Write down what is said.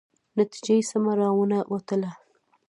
نتیجه یې سمه را ونه وتله.